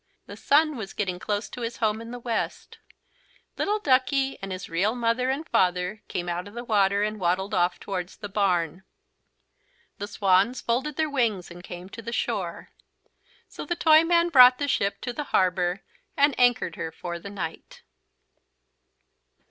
The sun was getting close to his home in the west. Little Duckie and his real mother and father came out of the water and waddled off towards the barn. The Swans folded their wings and came to the shore. So the Toyman brought the ship to the harbour and anchored her for the night.